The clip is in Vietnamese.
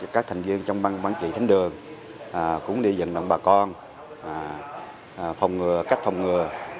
các thành viên trong băng bán trị thánh đường cũng đi dẫn đồng bà con cách phòng ngừa